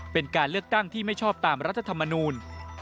เป็นการเลือกตั้งที่ไม่ชอบตามรัฐธรรมนูล